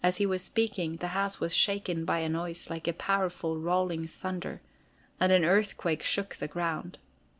As he was speaking, the house was shaken by a noise like a powerful rolling thunder, and an earthquake shook the ground.